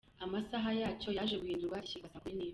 Amasaha yacyo yaje guhindurwa gishyirwa saa kumi n’imwe.